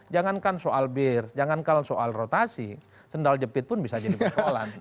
jangankan soal bir jangankan soal rotasi sendal jepit pun bisa jadi persoalan